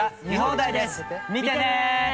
見てね！